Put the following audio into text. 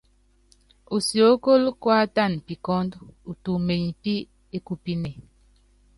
Usiókóló kuátana pikɔ́ndɔ́, utumenyi pí ékupíne.